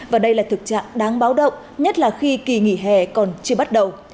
và đây là thực trạng đáng báo động nhất là khi kỳ nghỉ hè còn chưa bắt đầu